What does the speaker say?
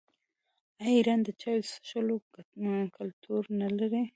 آیا ایران د چای څښلو کلتور نلري؟